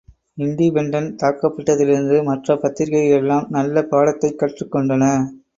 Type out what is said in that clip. Independent தாக்கப்பட்டதிலிருந்து மற்றப் பத்திரிகைகளெல்லாம் நல்ல பாடத்தைக் கற்றுக் கொண்டன.